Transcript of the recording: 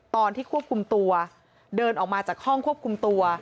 ตอนที่ควบคุมตัวเดินออกมาจากห้องควบคุมตัว